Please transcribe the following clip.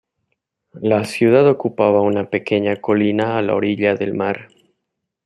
La ciudad ocupaba una pequeña colina a la orilla del mar.